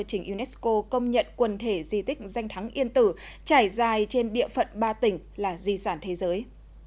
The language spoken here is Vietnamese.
trình unesco công nhận quần thể di tích danh thắng yên tử trải dài trên địa phận ba tỉnh là di sản thế giới